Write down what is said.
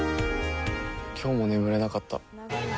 今日も眠れなかった。